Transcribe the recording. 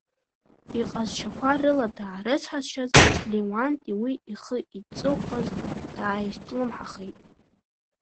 Иҟазшьақәа рыла даарыцҳазшьаз Леуанти уи ихы-иҵыхәаз дааизҿлымҳахеит.